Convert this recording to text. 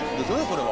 そうです。